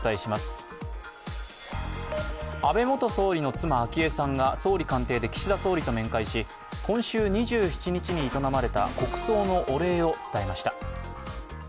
安倍元総理の妻、昭恵さんが総理官邸で岸田総理と面会し、今週２７日に営まれた国葬のお礼を伝えました。